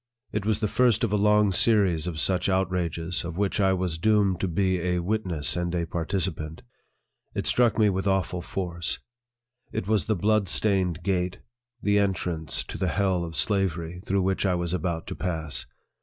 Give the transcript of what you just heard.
It was the first of a long series of such outrages, of which I was doomed to be a witness and a participant. It struck me with awful force. It was the blood stained gate, the en trance to the hell of slavery, through which I was about to pass.